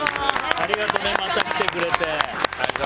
ありがとね、また来てくれて。